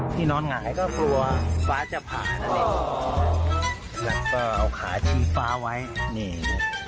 ที่นอนหายก็กลัวว่าฟ้าจะผ่านแล้วเนี้ยแล้วก็เอาขาชี้ฟ้าไว้เนี้ย